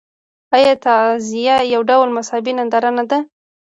آیا تعزیه یو ډول مذهبي ننداره نه ده؟